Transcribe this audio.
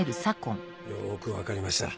よく分かりました。